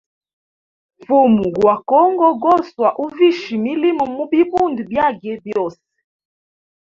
Mfumu gwa congo goswa uvisha milimo mu bibundi byage byose.